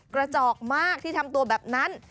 กระจอกมากที่ทำตัวแบบนั้น